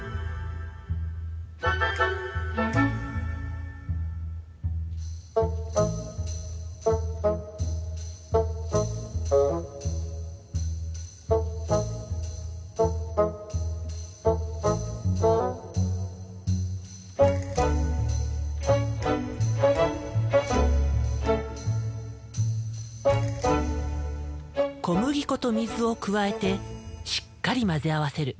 小麦粉と水を加えてしっかり混ぜ合わせる。